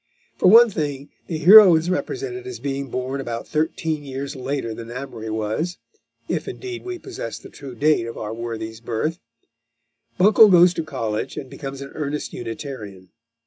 For one thing, the hero is represented as being born about thirteen years later than Amory was if, indeed, we possess the true date of our worthy's birth. Buncle goes to college and becomes an earnest Unitarian.